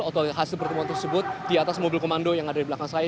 atau hasil pertemuan tersebut di atas mobil komando yang ada di belakang saya